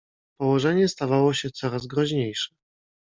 "Położenie stawało się coraz groźniejsze."